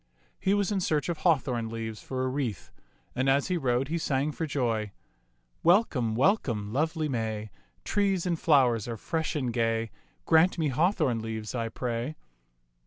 He was in search of hawthorn leaves for a wreath ; and as he rode, he sang for joy, —" Welcome, welcome, lovely May, Trees and flowers are fresh and gay ; Grant me hawthorn leaves, I pray."